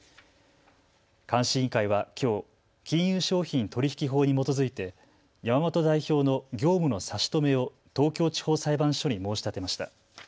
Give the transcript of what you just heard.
監視委員会はきょう金融商品取引法に基づいて山本代表の業務の差し止めを東京地方裁判所に申し立てました。